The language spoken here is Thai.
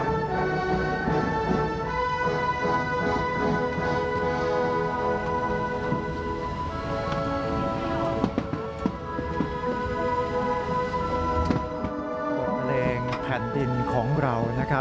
บทแมลงแผ่นดินของเรา